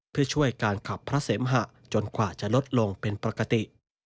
เพื่อช่วยการขับพระเสมหะจนกว่าจะลดลงเป็นปกติ